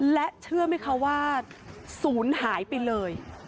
และเชื่อไหมคะว่าศูนย์หายไปเลย